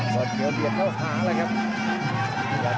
บังกอดเขียวเข้าขาเลยครับ